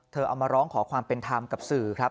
เอามาร้องขอความเป็นธรรมกับสื่อครับ